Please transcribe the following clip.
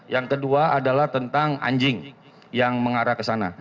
yang kedua adalah tentang anjing yang mengarah ke sana